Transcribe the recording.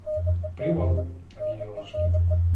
«Привал!» — объявил наш гид.